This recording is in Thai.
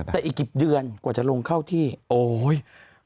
แต่อีกกี่เดือนกว่าจะลงเข้าที่โอ๊ย